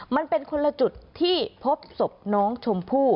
มันเป็นคนละจุดที่พบศพน้องชมพู่